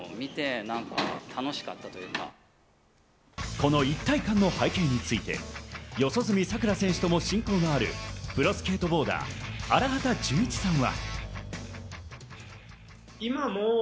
この一体感の背景について四十住さくら選手とも親交のあるプロスケートボーダー、荒畑潤一さんは。